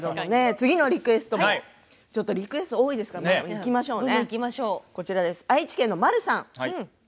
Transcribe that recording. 次のリクエストも、リクエストが多いからいきましょうね。